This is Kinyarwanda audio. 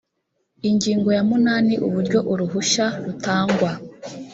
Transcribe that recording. ingingo ya munani uburyo uruhushya rutangwa